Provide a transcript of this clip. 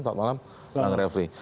selamat malam bang refli